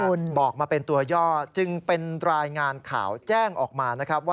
คุณบอกมาเป็นตัวย่อจึงเป็นรายงานข่าวแจ้งออกมานะครับว่า